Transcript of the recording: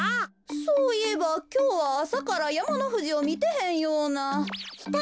そういえばきょうはあさからやまのふじをみてへんような。